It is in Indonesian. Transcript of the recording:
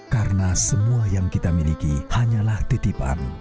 karena semua yang kita miliki hanyalah titipan